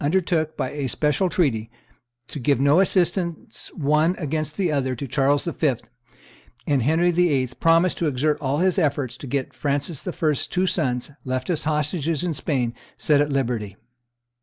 undertook, by a special treaty, to give no assistance one against the other to Charles V., and Henry VIII. promised to exert all his efforts to get Francis I.'s two sons, left as hostages in Spain, set at liberty.